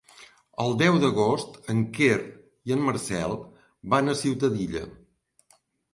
El deu d'agost en Quer i en Marcel van a Ciutadilla.